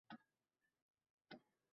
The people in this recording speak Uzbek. Men faqat tingladim